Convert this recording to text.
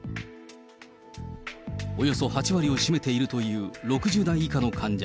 およそ８割を占めているという６０代以下の患者。